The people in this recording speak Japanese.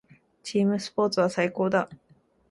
チームスポーツは最高だ。